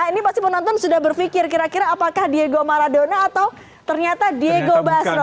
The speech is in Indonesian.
ini pasti penonton sudah berpikir kira kira apakah diego maradona atau ternyata diego basro